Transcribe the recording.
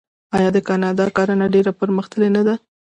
آیا د کاناډا کرنه ډیره پرمختللې نه ده؟